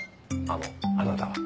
あのあなたは？